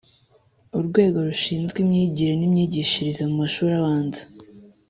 Urwego rushinzwe imyigire n imyigishirize mu mashuri abanza